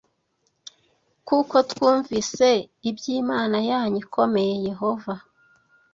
kuko twumvise iby’Imana yanyu ikomeye Yehova